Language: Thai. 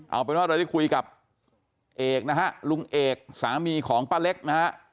เอาเป็นว่าเราได้คุยกับเอกนะฮะลุงเอกสามีของป้าเล็กนะฮะ